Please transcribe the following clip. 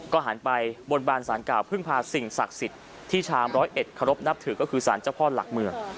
หันไปบนบานสารกล่าวพึ่งพาสิ่งศักดิ์สิทธิ์ที่ชาวร้อยเอ็ดเคารพนับถือก็คือสารเจ้าพ่อหลักเมือง